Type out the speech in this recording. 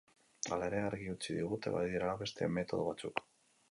Hala ere, argi utzi digute, badirela beste metodo batzuk.